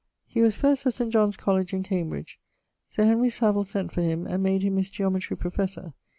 He was first of St. John's College in Cambridge. Sir Henry Savill sent for him and made him his geometrie professor.